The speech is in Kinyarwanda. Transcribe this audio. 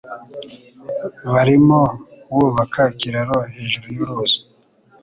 Barimo bubaka ikiraro hejuru yuruzi.